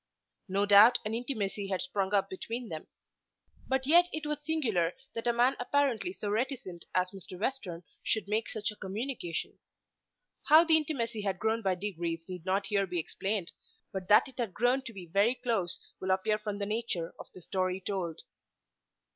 No doubt an intimacy had sprung up between them. But yet it was singular that a man apparently so reticent as Mr. Western should make such a communication. How the intimacy had grown by degrees need not here be explained, but that it had grown to be very close will appear from the nature of the story told.